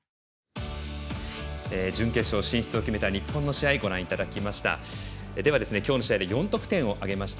準決勝進出を決めた日本の試合ご覧いただきました。